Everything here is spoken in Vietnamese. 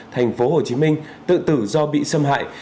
thành phố hồ chí minh tự tử do bị xâm hại